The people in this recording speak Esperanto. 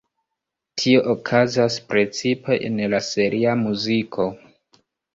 Tio okazas precipe en la seria muziko.